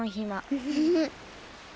フフフッ。